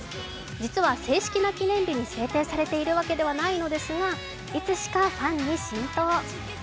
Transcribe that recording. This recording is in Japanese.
実は正式な記念日に制定されているわけではないのですがいつしかファンに浸透。